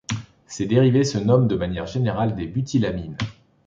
Ces dérivés se nomment de manière générale des butylamines.